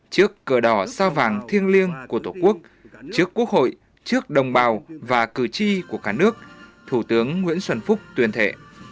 trước cờ đỏ sao vàng thiêng liêng của tổ quốc trước quốc hội trước đồng bào và cử tri của cả nước thủ tướng nguyễn xuân phúc tuyên thệ